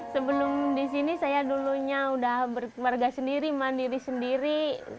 sebelum di sini saya dulunya udah berkemarga sendiri mandiri sendiri